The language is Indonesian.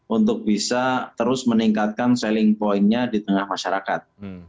untuk bisa terus meningkatkan selling point nya di tengah masyarakat